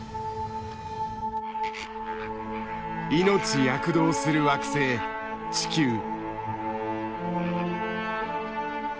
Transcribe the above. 命躍動する惑星「地球」。